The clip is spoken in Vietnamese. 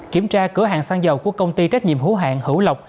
kiểm tra cửa hàng xăng dầu của công ty trách nhiệm hữu hạng hữu lộc